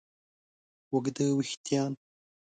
اوږده وېښتیان